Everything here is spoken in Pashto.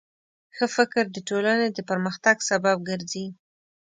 ښه فکر د ټولنې د پرمختګ سبب ګرځي.